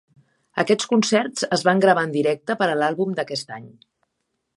Aquests concerts es van gravar en directe per a l'àlbum d'aquest any.